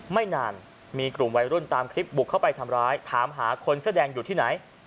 ไม่นานมีกลุ่มวัยรุ่นตามคลิปบุกเข้าไปทำร้ายถามหาคนเสื้อแดงอยู่ที่ไหน